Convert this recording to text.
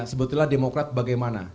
sebetulnya demokrat bagaimana